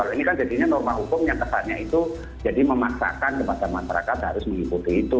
ini kan jadinya norma hukum yang kesannya itu jadi memaksakan kepada masyarakat harus mengikuti itu